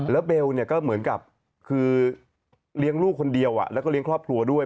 แล้วเบลเนี่ยก็เหมือนกับคือเลี้ยงลูกคนเดียวแล้วก็เลี้ยงครอบครัวด้วย